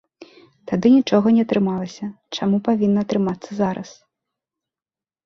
Тады нічога не атрымалася, чаму павінна атрымацца зараз?